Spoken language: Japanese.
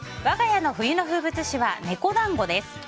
我が家の冬の風物詩は猫団子です。